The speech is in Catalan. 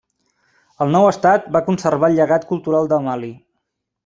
El nou Estat va conservar el llegat cultural de Mali.